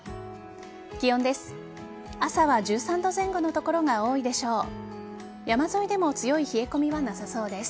気温です。